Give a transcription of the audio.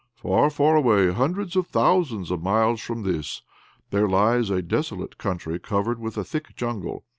Far, far away, hundreds of thousands of miles from this, there lies a desolate country covered with thick jungle.